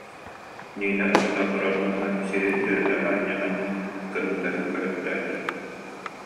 Нина тутан турар маһынан сири дьөлүтэ анньа-анньа кыргыттарын көрөттөөтө